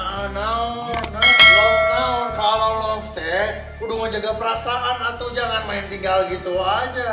nah nah nah nah kalau lo teh udah mau jaga perasaan atau jangan main tinggal gitu aja